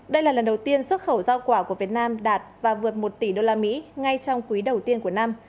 đây là lần đầu tiên xuất khẩu giao quả của việt nam đạt và vượt một tỷ usd ngay trong quý đầu tiên của năm